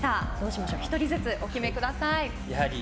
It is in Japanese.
１人ずつお決めください。